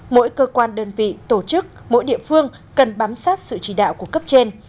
mỗi cơ quan đơn vị tổ chức mỗi địa phương cần bám sát sự chỉ đạo của cấp trên